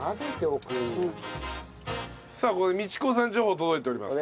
さあここで道子さん情報届いております。